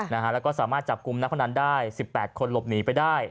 แล้วก็สามารถจับกลุ่มนักพนันได้๑๘คนหลบหนีไปได้